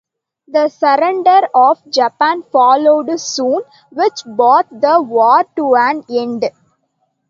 The surrender of Japan followed soon, which brought the war to an end.